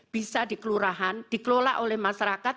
bisa dikelurahan dikelola oleh masyarakat